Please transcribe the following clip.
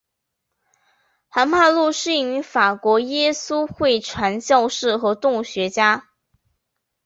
韩伯禄是一名法国耶稣会传教士和动物学家。